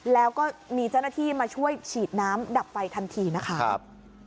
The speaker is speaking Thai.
แล้วก็มีเจ้าหน้าที่มาช่วยฉีดน้ำดับไฟทันทีนะครับ